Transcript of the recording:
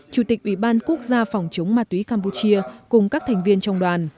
chủ tịch ủy ban quốc gia phòng chống ma túy campuchia cùng các thành viên trong đoàn